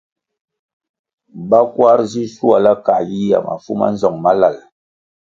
Ba kwar zi shuala kā yiyihya mafu manzong malal.